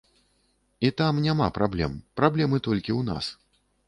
І там няма праблем, праблемы толькі ў нас.